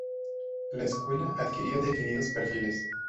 La escuela adquirió definidos perfiles.